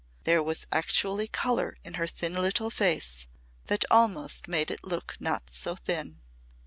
There was actually colour in her thin little face that almost made it look not so thin.